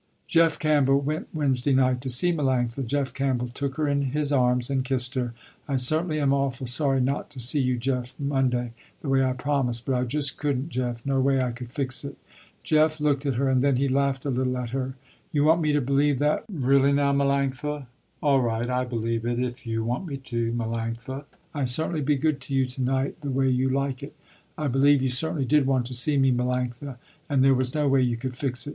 Jeff Campbell went Wednesday night to see Melanctha. Jeff Campbell took her in his arms and kissed her. "I certainly am awful sorry not to see you Jeff Monday, the way I promised, but I just couldn't Jeff, no way I could fix it." Jeff looked at her and then he laughed a little at her. "You want me to believe that really now Melanctha. All right I believe it if you want me to Melanctha. I certainly be good to you to night the way you like it. I believe you certainly did want to see me Melanctha, and there was no way you could fix it."